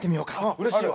うれしいわ。